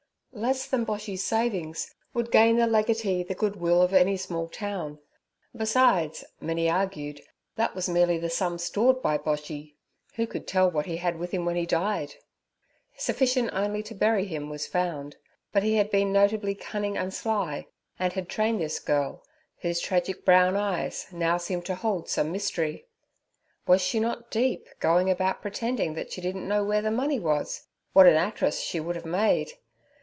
Less than Boshy's savings would gain the legatee the goodwill of any small town. Besides, many argued, that was merely the sum stored by Boshy; who could tell what he had with him when he died? Sufficient only to bury him was found; but he had been notably cunning and sly, and had trained this girl, whose tragic brown eyes now seemed to hold some mystery. Was she not deep, going about pretending that she didn't know where the money was? What an actress she would have made!